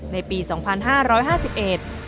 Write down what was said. ในปีสองพันห้าร้อยห้าสิบเอ็ด